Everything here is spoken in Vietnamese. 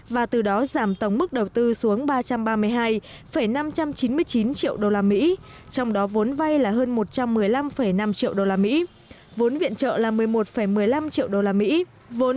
và từ đó giảm tổng mức đầu tư xuống ba trăm ba mươi hai năm trăm chín mươi hai triệu đô la mỹ